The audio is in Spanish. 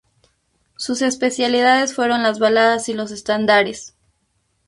Sus especialidades fueron las baladas y los estándares.